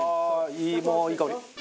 いいもういい香り！